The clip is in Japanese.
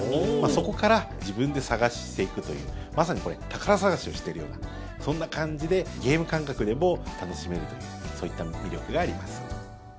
そこから自分で探していくというまさに宝探しをしているようなそんな感じでゲーム感覚でも楽しめるというそういった魅力があります。